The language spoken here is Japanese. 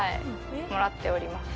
もらっております。